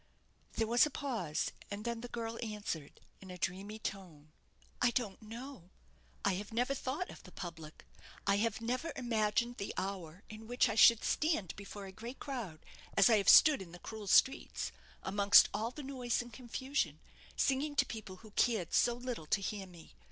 There was a pause, and then the girl answered, in a dreamy tone "I don't know. I have never thought of the public. I have never imagined the hour in which I should stand before a great crowd, as I have stood in the cruel streets, amongst all the noise and confusion, singing to people who cared so little to hear me.